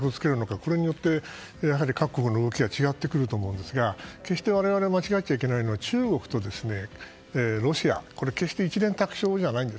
これによって各国の動きが違ってくると思うんですが決して我々が間違っちゃいけないのは中国とロシア決して一蓮托生ではないんです。